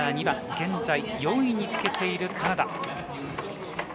２番現在４位につけているカナダ。